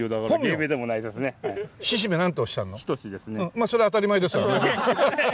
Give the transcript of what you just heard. まあそれは当たり前ですからね。